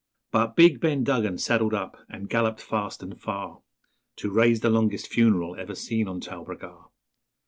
But big Ben Duggan saddled up, and galloped fast and far, To raise the longest funeral ever seen on Talbragar.